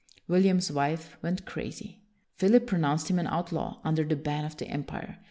William's wife went crazy. Philip pro nounced him an outlaw, under the ban of the empire.